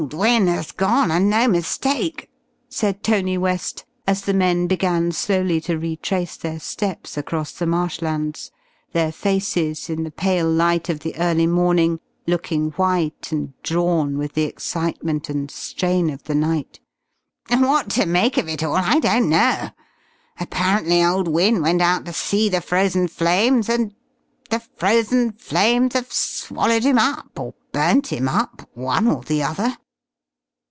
"Old Wynne has gone, and no mistake," said Tony West, as the men began slowly to retrace their steps across the marshlands, their faces in the pale light of the early morning looking white and drawn with the excitement and strain of the night. "What to make of it all, I don't know. Apparently old Wynne went out to see the Frozen Flames and the Frozen Flames have swallowed him up, or burnt him up, one or the other."